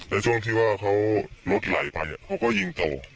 ในช่วงที่ว่าเขาลดไหล่ไปอ่ะเขาก็ยิงตัว